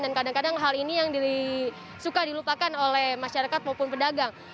dan kadang kadang hal ini yang suka dilupakan oleh masyarakat maupun pedagang